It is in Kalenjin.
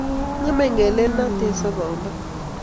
Ng'emei ngelelnatet sabondo.